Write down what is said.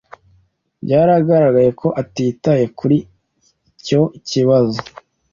Byaragaragaye ko atitaye kuri icyo kibazo.